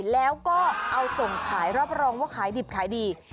แล้วก็เอาส่งขายรับรองว่าขายดิบขายดี